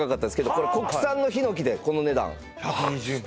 これ国産のヒノキでこの値段１２０万